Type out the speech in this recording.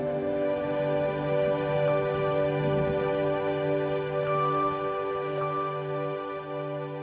itu di mana